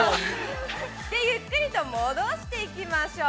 ◆ゆっくりと戻していきましょう。